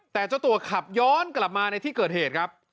แต่เจ้าตัวขับย้อนกลับมาในที่เกิดเหตุครับ